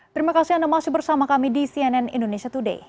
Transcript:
terima kasih anda masih bersama kami di cnn indonesia today